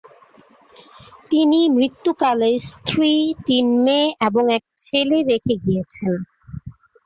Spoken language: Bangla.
তিনি মৃত্যুকালে স্ত্রী তিন মেয়ে এবং এক ছেলে রেখে গিয়েছেন।